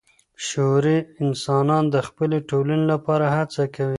شعوري انسانان د خپلي ټولني لپاره څه کوي؟